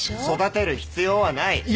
育てる必要はない。